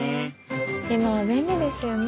今は便利ですよね。